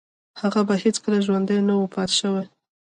هغه به هیڅکله ژوندی نه و پاتې شوی